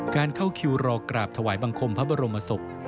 เข้าคิวรอกราบถวายบังคมพระบรมศพ